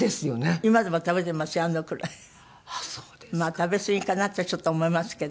食べすぎかなってちょっと思いますけど。